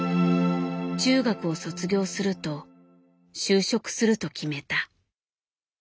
中学を卒業すると就職すると決めた。